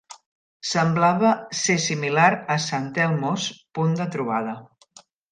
Semblava ser similar a St. Elmo's, punt de trobada.